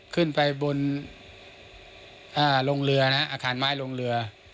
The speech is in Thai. ขึ้นไปบนลงเรือนะฮะอาคารไม้ลงเรือ